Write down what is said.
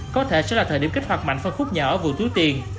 có thể sẽ là thời điểm kích hoạt mạnh phân khúc nhà ở vụ tiếu tiền